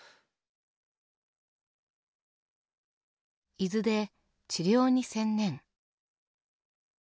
伊豆で治療に専念。